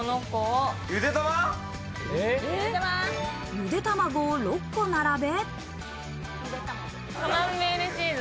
ゆで卵を６個並べ。